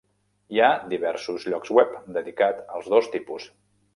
Hi ha diversos llocs web dedicats als dos tipus.